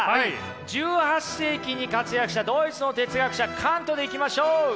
１８世紀に活躍したドイツの哲学者カントでいきましょう！